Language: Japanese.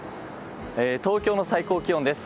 東京の最高気温です。